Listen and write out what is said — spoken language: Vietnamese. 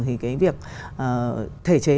thì cái việc thể chế